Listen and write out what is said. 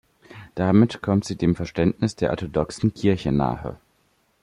Damit kommt sie dem Verständnis der orthodoxen Kirchen nahe.